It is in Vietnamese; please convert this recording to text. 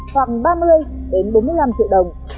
khoảng ba mươi bốn mươi năm triệu đồng